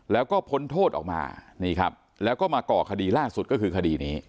แล้วก็พ้นโทษออกมานี่ครับแล้วก็มาก่อคดีล่าสุดก็คือคดีนี้